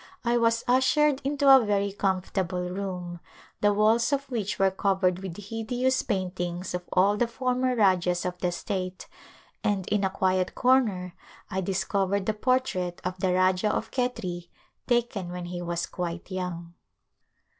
I was ushered into a very comfortable room, the walls of which were covered with hideous paintings of all the former rajahs of the state and in a quiet corner I discovered the portrait of the Rajah of Khetri, taken when he was quite young.